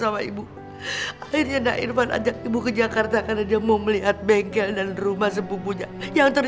vivi gak mau serumah sama papa tiri